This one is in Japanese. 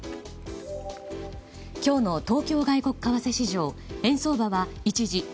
今日の東京外国為替市場円相場は一時